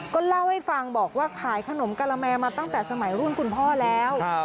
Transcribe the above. ก็เล่าให้ฟังบอกว่าขายขนมกะละแมมาตั้งแต่สมัยรุ่นคุณพ่อแล้ว